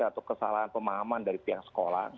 atau kesalahan pemahaman dari pihak sekolah